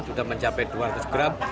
sudah mencapai dua ratus gram